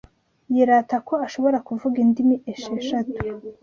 Yirata ko ashobora kuvuga indimi esheshatu.